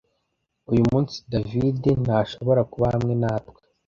Uyu munsi David ntashobora kuba hamwe natwe